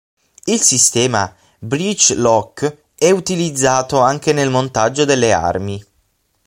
Il sistema breech-lock è utilizzato anche nel montaggio delle armi.